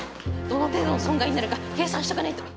どの程度の損害になるか計算しとかないと。